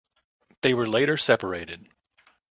They were later separated.